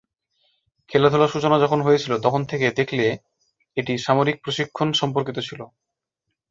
খেলাধুলার সূচনা যখন হয়েছিল তখন থেকে দেখলে, এটি সামরিক প্রশিক্ষণ সম্পর্কিত ছিল।